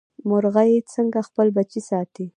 مورغۍ څنګه خپل بچي ساتي؟